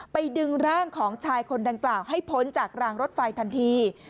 ดึงร่างของชายคนดังกล่าวให้พ้นจากรางรถไฟทันที